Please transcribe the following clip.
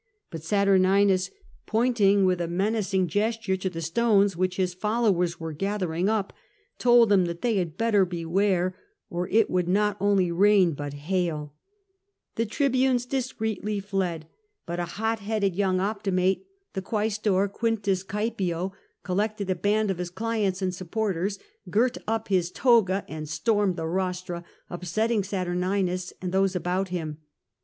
But Saturninus, pointing with a menacing gesture to the stones which his followers were gathering up, told them that they had better beware, or it would not only rain but hail. The tribunes discreetly fled ; but a hot headed 102 FROM THE GRACCHI TO SULLA young Optimate, tlie quaestor Q* Caepio, collected a band of Ms clients and supporters, girt up Ms toga and stormed the rostra, upsetting Saturninus and those about Mm.